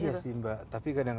iya sih mbak